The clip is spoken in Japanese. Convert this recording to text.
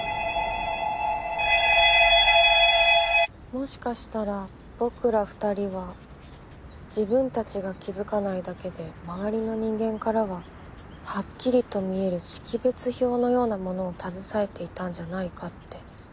「もしかしたらぼくら２人は自分たちが気づかないだけで周りの人間からははっきりと見える識別票のようなものを携えていたんじゃないかって」